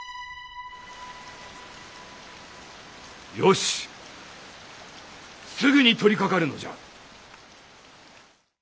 よしすぐに取りかかるのじゃ。